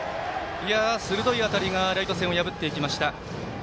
鋭い当たりがライト線を破っていきました。